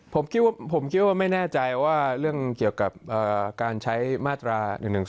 ผมคิดว่าไม่แน่ใจว่าเรื่องเกี่ยวกับการใช้มาตรา๑๑๒